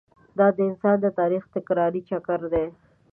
دا د انسان د تاریخ تکراري چکر دی.